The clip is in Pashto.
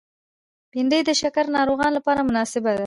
بېنډۍ د شکر ناروغانو لپاره مناسبه ده